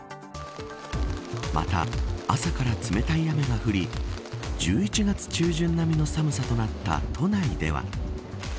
また、朝から冷たい雨が降り１１月中旬並みの寒さとなった都内では。